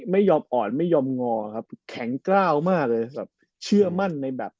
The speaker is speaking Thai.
ไม่ยอมอ่อนไม่ยอมงอครับแข็งกล้าวมากเลยแบบเชื่อมั่นในแบบ